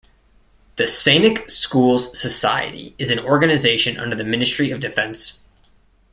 The Sainik Schools Society is an organization under the Ministry of Defence.